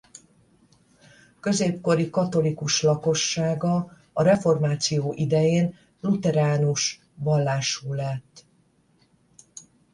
Középkori katolikus lakossága a reformáció idején lutheránus vallású lett.